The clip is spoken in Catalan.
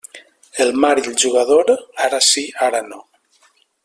La mar i el jugador, ara sí, ara no.